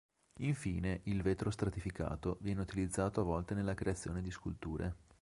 Infine, il vetro stratificato viene utilizzato a volte nella creazione di sculture.